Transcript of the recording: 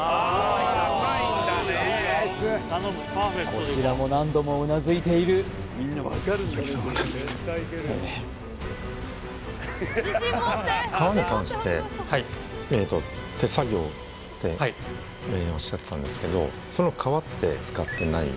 こちらも何度もうなずいている皮に関してはい手作業っておっしゃってたんですけどその皮って使ってない？